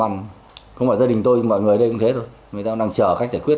người ta đang chờ cách giải quyết